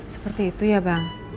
seperti itu ya bang